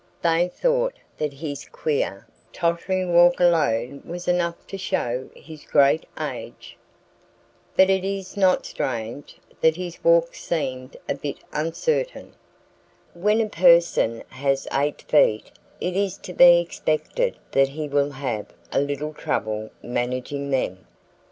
They thought that his queer, tottering walk alone was enough to show his great age. But it is not strange that his walk seemed a bit uncertain. When a person has eight feet it is to be expected that he will have a little trouble managing them.